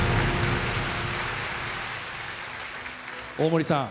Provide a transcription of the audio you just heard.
大森さん